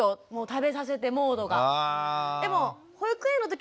食べさせてモードが。